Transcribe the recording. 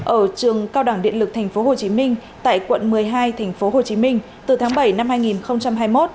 ở trường cao đẳng điện lực tp hcm tại quận một mươi hai tp hcm từ tháng bảy năm hai nghìn hai mươi một